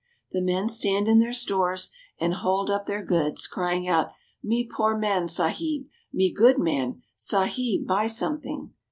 The men stand in their stores, and hold up .their goods, crying out :" Me poor man. Sahib ! Me good man! Sahib, buy something!"